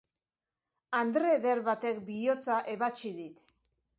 Andre eder batek bihotza ebatsi dit.